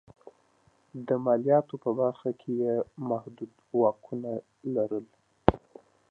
د مالیاتو په برخه کې یې محدود واکونه لرل.